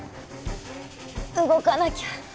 動かなきゃ。